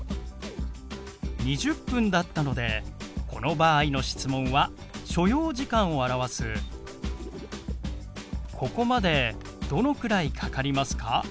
２０分だったのでこの場合の質問は所要時間を表すここまでどのくらいかかりますか？